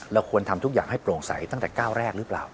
ควรทำทุกอย่างให้โปร่งใสตั้งแต่ก้าวแรกหรือเปล่า